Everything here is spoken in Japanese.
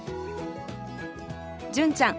純ちゃん